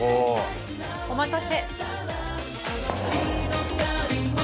お待たせ。